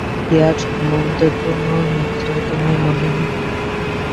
ইহার সম্বন্ধে কোন নিশ্চয়তা নাই, মনে হয়।